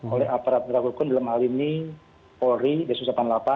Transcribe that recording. oleh aparat penegak hukum dalam hal ini polri desus delapan puluh delapan